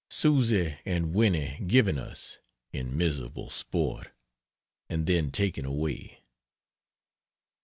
Susy and Winnie given us, in miserable sport, and then taken away.